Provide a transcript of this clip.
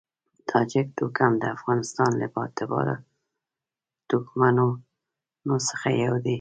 تاجک توکم د افغانستان له با اعتباره توکمونو څخه یو دی.